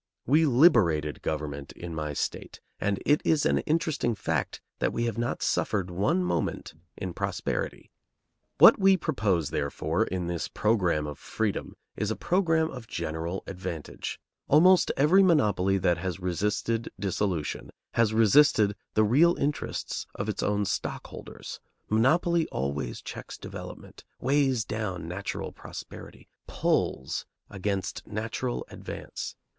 We liberated government in my state, and it is an interesting fact that we have not suffered one moment in prosperity. What we propose, therefore, in this program of freedom, is a program of general advantage. Almost every monopoly that has resisted dissolution has resisted the real interests of its own stockholders. Monopoly always checks development, weighs down natural prosperity, pulls against natural advance.